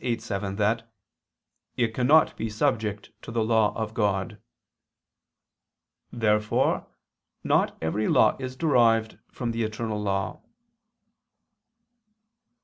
8:7), that "it cannot be subject to the law of God." Therefore not every law is derived from the eternal law.